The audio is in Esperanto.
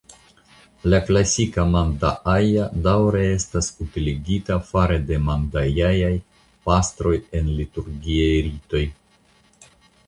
La klasika mandaaja daŭre estas utiligita fare de mandajaj pastroj en liturgiaj ritoj.